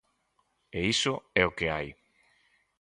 E iso é o que hai.